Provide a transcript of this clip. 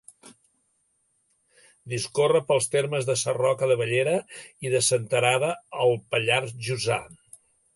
Discorre pels termes de Sarroca de Bellera i de Senterada, al Pallars Jussà.